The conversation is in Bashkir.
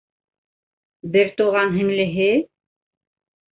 Бер туған һеңлеһе?